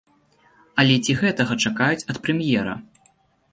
Але ці гэтага чакаюць ад прэм'ера?